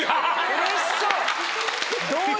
うれしそう！